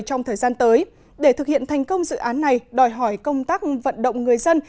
trong thời gian tới để thực hiện thành công dự án này đòi hỏi công tác vận động người dân